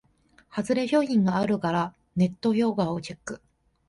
ハズレ商品があるからネット評価をチェック